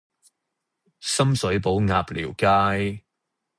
深水埗鴨寮街